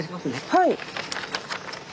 はい。